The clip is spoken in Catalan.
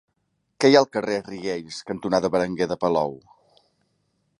Què hi ha al carrer Riells cantonada Berenguer de Palou?